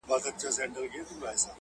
څوک ده چي راګوري دا و چاته مخامخ يمه”